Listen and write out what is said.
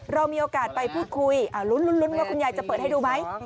เรามีโอกาสไปพูดคุยลุ้นว่าคุณยายจะเปิดให้ดูไหม